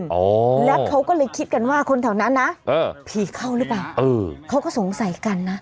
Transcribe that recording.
อ๋อและเขาก็เลยคิดกันว่าคนแถวนั้นนะเออผีเข้าหรือเปล่าเออเขาก็สงสัยกันนะ